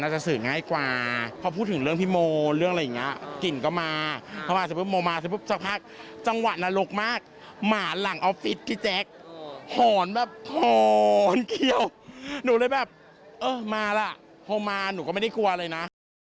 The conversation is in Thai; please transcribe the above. หนูแบบมาล่ะพอมาหนูก็ไม่ได้กลัวเลยนะ